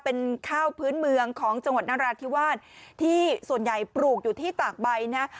เป็นข้าวพื้นเมืองของจังหวัดนราธิวาสที่ส่วนใหญ่ปลูกอยู่ที่ตากใบนะ